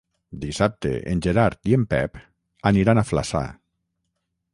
Dissabte en Gerard i en Pep aniran a Flaçà.